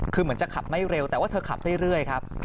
คือเหมือนจะขับไม่เร็วแต่ว่าเธอขับเรื่อยครับ